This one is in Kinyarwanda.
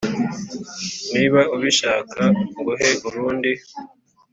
niba ubishaka nguhe urundi